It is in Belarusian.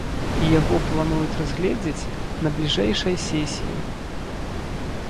І яго плануюць разгледзець на бліжэйшай сесіі.